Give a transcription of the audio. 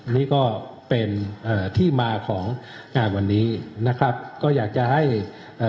นี่ก็เป็นเอ่อที่มาของงานวันนี้นะครับก็อยากจะให้เอ่อ